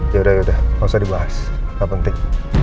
yaudah yaudah nggak usah dibahas nggak penting